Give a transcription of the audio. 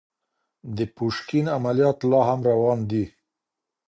د پوشکين عمليات لا هم روان دي.